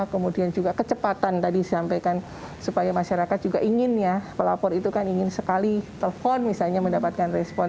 kemudian juga kecepatan tadi disampaikan supaya masyarakat juga ingin ya pelapor itu kan ingin sekali telpon misalnya mendapatkan respon